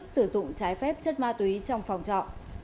sử dụng trái phép chất ma túy trong phòng trọ